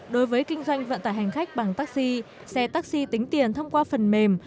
đối với kinh doanh vận tải hành khách bằng taxi xe taxi tính tiền thông qua phần mềm